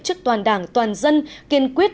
trước toàn đảng toàn dân kiên quyết